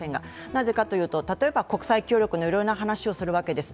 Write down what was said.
なぜかというと、例えば国際協力のいろいろな話をするわけです。